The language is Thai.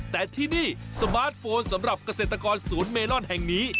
แต่ที่นี่สมาร์ทโฟนสำหรับเกษตรกรศูนย์เมลอนแห่งนี้